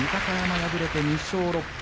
敗れて２勝６敗。